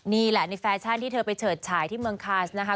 นี่แหละในแฟชั่นที่เธอไปเฉิดฉายที่เมืองคานส์นะคะ